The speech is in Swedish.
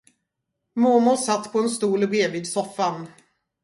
Mormor satt på en stol bredvid soffan.